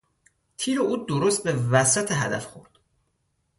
تیر او درست به وسط هدف خورد.